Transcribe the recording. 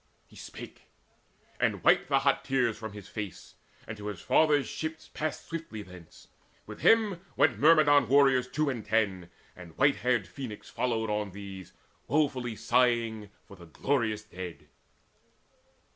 He spake, and wiped the hot tears from his face; And to his father's ships passed swiftly thence: With him went Myrmidon warriors two and ten, And white haired Phoenix followed on with these Woefully sighing for the glorious dead.